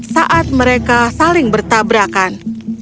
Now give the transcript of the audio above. saat mereka saling bertabrakan